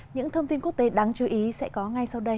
những thông tin quốc tế đáng chú ý sẽ có ngay sau đây